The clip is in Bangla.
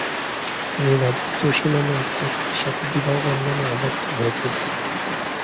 তিনি রাজীব জোশী নামে এক ব্যক্তির সাথে বিবাহ বন্ধনে আবদ্ধ হয়েছিলেন।